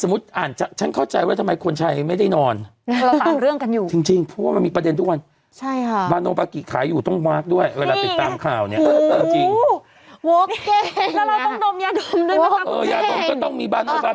มันเคลียร์ความดันขึ้นปวดหัวไมเกรนอะไรอย่างนี้